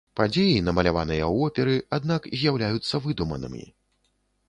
Падзеі, намаляваныя ў оперы, аднак з'яўляюцца выдуманымі.